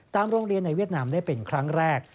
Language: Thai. โรงเรียนในเวียดนามได้เป็นครั้งแรก